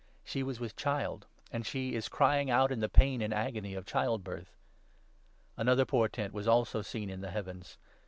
She was with 2 child ; and ' she is crying out in the pain and agony of child birth.' Another portent also was seen in the heavens.